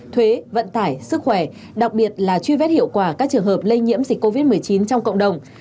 thuế vận tải sức khỏe đặc biệt là truy vết hiệu quả các trường hợp lây nhiễm dịch covid một mươi chín trong cộng đồng